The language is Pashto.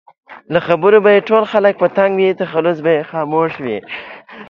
له خبرو به یې ټول خلک په تنګ وي؛ تخلص به یې خاموش وي